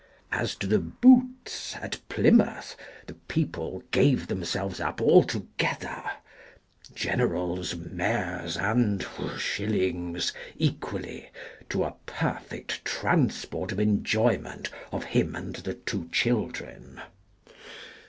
As to the " Boots " at Plymouth, the people gave themselves up altogether (Generals, Mayors, and Shillings, equally) to a perfect transport of enjoy ment of him and the two children.